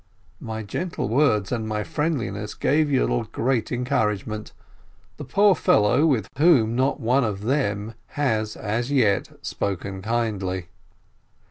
My gentle words and my friendliness gave Yiidel great encouragement. The poor fellow, with whom not one of "them" has as yet spoken kindly!